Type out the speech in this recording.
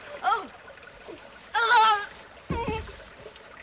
あっ！